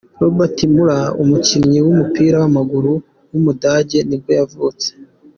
Robert Müller, umukinnyi w’umupira w’amaguru w’umudage nibwo yavutse.